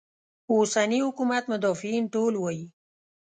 اوسني حکومت مدافعین ټول وایي.